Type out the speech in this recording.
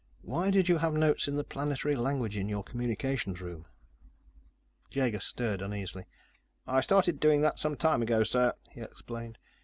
Why did you have notes in the planetary language in your communications room?" Jaeger stirred uneasily. "I started doing that some time ago, sir," he explained.